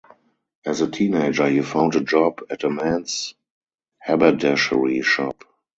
As a teenager he found a job at a men's haberdashery shop.